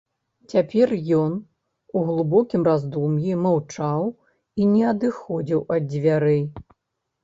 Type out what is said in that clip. Цяпер ён у глыбокім раздум'і маўчаў і не адыходзіў ад дзвярэй.